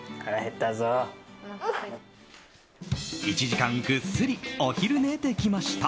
１時間ぐっすりお昼寝できました。